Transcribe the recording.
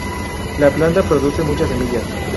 La planta produce muchas semillas.